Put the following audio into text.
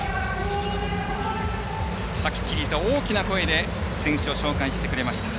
はっきりと大きな声で選手を紹介してくれました。